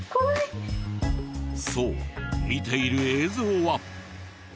そう見ている映像は。